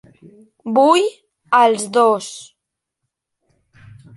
Vull els dos.